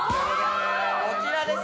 こちらですね。